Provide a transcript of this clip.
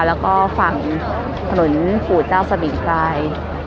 แล้วก็ฝั่งถนนปู่เจ้าสบิทราย